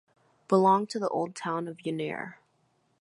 Belonged to the old town of Unarre.